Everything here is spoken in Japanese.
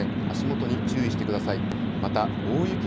足元に注意してください。